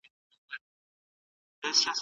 قران د ټولو علومو سرچینه ده.